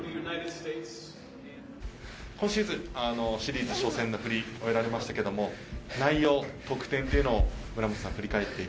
今シーズンシリーズ初戦のフリー終えられましたけども内容得点っていうのを村元さん振り返って。